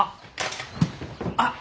あっ！